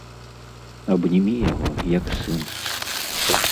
Абнімі яго, як сын.